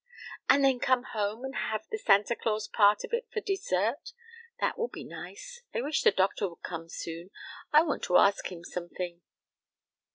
"And then come home and have the Santa Claus part of it for dessert; that will be nice. I wish the doctor would come soon; I want to ask him somefing."